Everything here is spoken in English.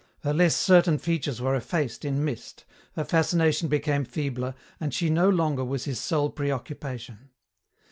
Her less certain features were effaced in mist, her fascination became feebler, and she no longer was his sole preoccupation.